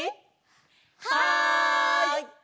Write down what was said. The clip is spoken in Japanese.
はい！